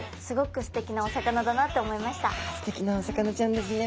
すてきなお魚ちゃんですね。